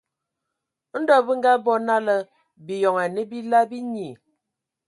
Ndɔ bǝ ngabɔ nala biyon anǝ bila binyii.